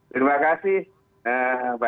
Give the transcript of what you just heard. terima kasih pak